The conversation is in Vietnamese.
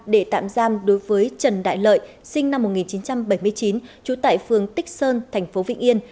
để tạm giam đối với trần đại lợi sinh năm một nghìn chín trăm bảy mươi chín trú tại phường tích sơn thành phố vĩnh yên